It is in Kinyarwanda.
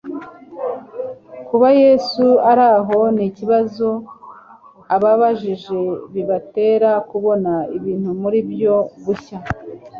Kuba Yesu ari aho n'ikibazo ababajije, bibatera kubona ibintu mu buryo bushya.